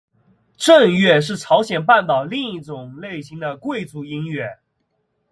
正乐是朝鲜半岛另一种类型的贵族音乐。